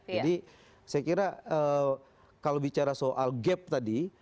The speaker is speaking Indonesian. jadi saya kira kalau bicara soal gap tadi